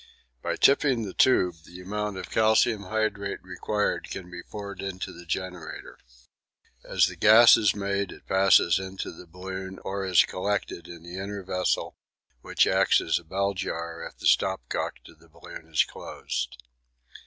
By tipping the tube the amount of calcium hydrate required can be poured into the generator. As the gas is made it passes into the balloon or is collected in the inner vessel, which acts as a bell jar if the stop cock to the balloon is closed.